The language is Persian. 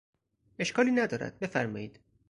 اشکالی ندارد، بفرمایید!